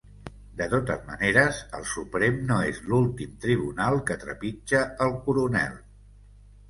De totes maneres, el Suprem no és l’últim tribunal que trepitja el coronel.